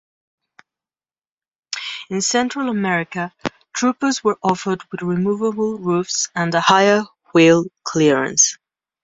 In Central America, Troopers were offered with removable roofs and a higher wheel clearance.